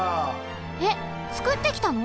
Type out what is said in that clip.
えっつくってきたの？